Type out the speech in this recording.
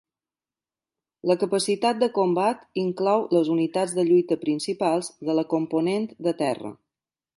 La capacitat de combat inclou les unitats de lluita principals de la Component de Terra.